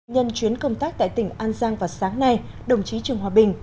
nhân chuyến công tác tại tỉnh an giang vào sáng nay đồng chí trường hòa bình